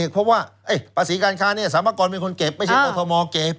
เพราะว่าภาษีการค้านี่สามพกรเป็นคนเก็บไม่ใช่โกธมอล์เก็บ